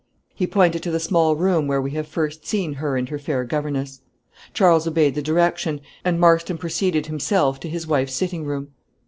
He pointed to the small room where we have first seen her and her fair governess; Charles obeyed the direction, and Marston proceeded himself to his wife's sitting room.